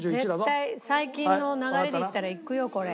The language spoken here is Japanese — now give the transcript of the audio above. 絶対最近の流れでいったらいくよこれ。